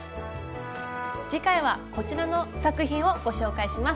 次回はこちらの作品をご紹介します。